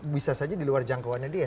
bisa saja di luar jangkauannya dia